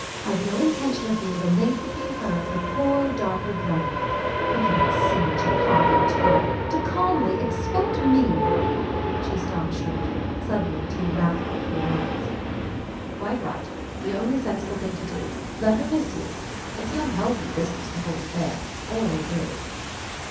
I've no intention of being the link between her and her poorer darker brethren. After that scene in Chicago too! To calmly expect me —" She stopped short, suddenly too wrathful for words. "Quite right. The only sensible thing to do. Let her miss you. It's an unhealthy busi ness, the whole affair. Always is."